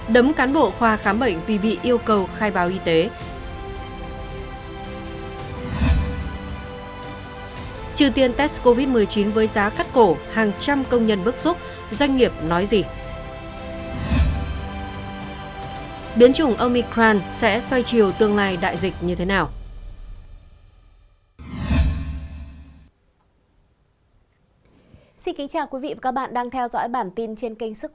đấm cán bộ khoa khám bệnh vì bị yêu cầu khai báo y tế